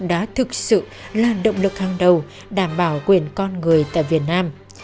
đã thực sự là động lực hàng đầu đảm bảo quyền con người tại việt nam